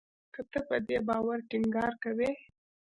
که ته په دې باور ټینګار کوې